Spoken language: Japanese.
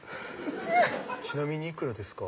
「ちなみにいくらですか？」